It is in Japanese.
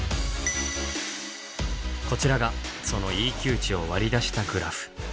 こちらがそのＥＱ値を割り出したグラフ。